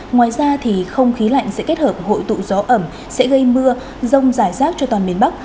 ngoài ra thì không khí lạnh sẽ kết hợp hội tụ gió ẩm sẽ gây mưa rông rải rác cho toàn miền bắc